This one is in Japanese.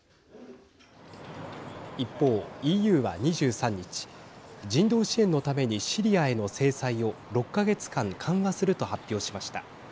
一方、ＥＵは２３日人道支援のためにシリアへの制裁を６か月間緩和すると発表しました。